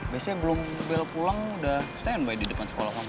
biasanya belum bel pulang udah stay in by di depan sekolah kamu